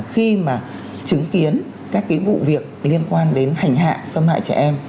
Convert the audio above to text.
khi mà chứng kiến các cái vụ việc liên quan đến hành hạ xâm hại trẻ em